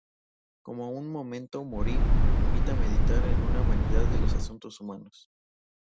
Como un "memento mori" invita a meditar en la vanidad de los asuntos humanos.